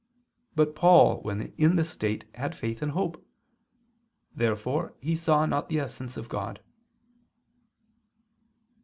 But Paul when in this state had faith and hope. Therefore he saw not the essence of God.